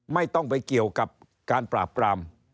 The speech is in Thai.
ไม่ต้องไปเกี่ยวกับการปราบปราม